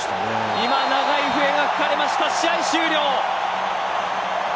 今、長い笛が吹かれました試合終了。